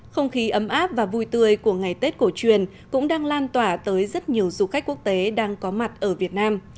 không khí ấm áp và vui tươi của ngày tết cổ truyền cũng đang lan tỏa tới rất nhiều du khách quốc tế đang có mặt ở việt nam